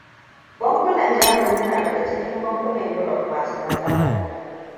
Bankunan Jamani na daga cikin bankunan Europe masu matsala.